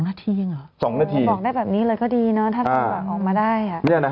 นั่นคือขีดล่าง